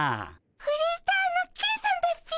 フリーターのケンさんだっピ。